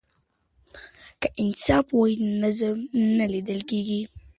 که انصاف وي نو ظلم نه کیږي.